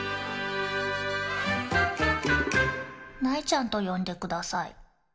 ナイちゃんとよんでください。